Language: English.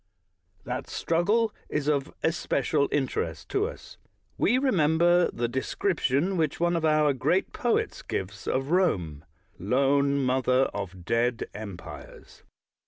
That struggle is of especial interest to us. We remember the de scription which one of our great poets gives of Rome —*' Lone mother of dead empires.